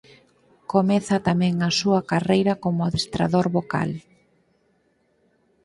Comeza tamén a súa carreira como adestrador vocal.